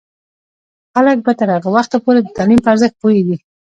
خلک به تر هغه وخته پورې د تعلیم په ارزښت پوهیږي.